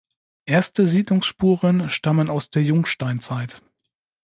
Erste Siedlungsspuren stammen aus der Jungsteinzeit.